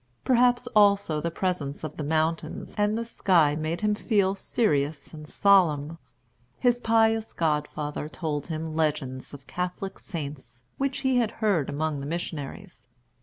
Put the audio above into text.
Perhaps also the presence of the mountains and the sky made him feel serious and solemn. His pious godfather told him legends of Catholic saints, which he had heard among the missionaries.